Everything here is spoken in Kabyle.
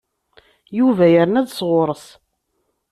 Yuba yerna-d sɣur-s.